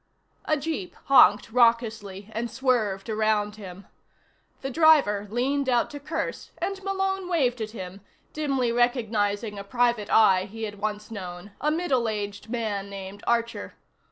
A jeep honked raucously and swerved around him. The driver leaned out to curse and Malone waved at him, dimly recognizing a private eye he had once known, a middle aged man named Archer.